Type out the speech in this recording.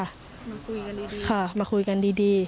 มาคุยกันดีค่ะมาคุยกันดี